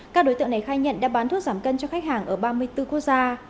các đối tượng này khai nhận đã bán thuốc giảm cân cho khách hàng ở ba mươi bốn quốc gia